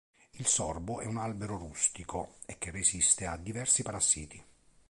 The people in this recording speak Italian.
Il sorbo è un albero rustico e che resiste a diversi parassiti.